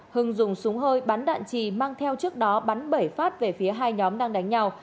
hưng dùng súng hơi bắn đạn trì mang theo trước đó bắn bảy phát về phía hai nhóm đang đánh nhau